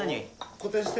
固定して。